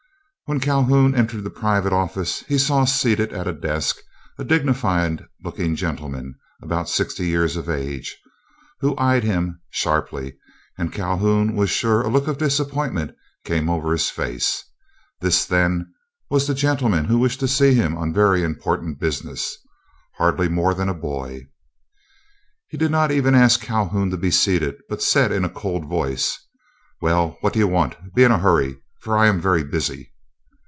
When Calhoun entered the private office he saw seated at a desk a dignified looking gentleman about sixty years of age, who eyed him sharply, and Calhoun was sure a look of disappointment came over his face. This, then, was the gentleman who wished to see him on very important business—hardly more than a boy. He did not even ask Calhoun to be seated, but said, in a cold voice: "Well, what do you want? Be in a hurry, for I am very busy."